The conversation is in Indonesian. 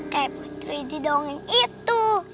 kayak putri di dongeng itu